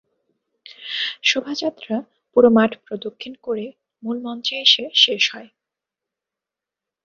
শোভাযাত্রা পুরো মাঠ প্রদক্ষিণ করে মূল মঞ্চে এসে শেষ হয়।